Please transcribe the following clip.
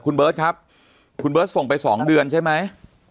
คุณเบิร์ตครับคุณเบิร์ตส่งไป๒เดือนใช่ไหม